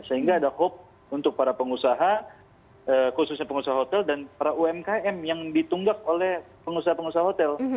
sehingga ada hope untuk para pengusaha khususnya pengusaha hotel dan para umkm yang ditunggak oleh pengusaha pengusaha hotel